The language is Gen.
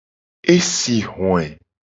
E si hoe.